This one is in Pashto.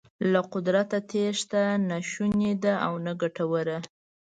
له قدرته تېښته نه شونې ده او نه ګټوره.